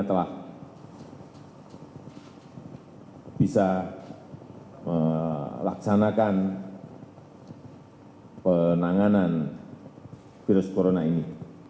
telah bisa melaksanakan penanganan virus corona ini